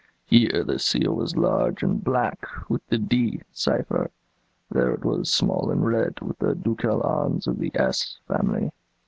Here the seal was large and black, with the D cipher, there it was small and red, with the ducal arms of the S family.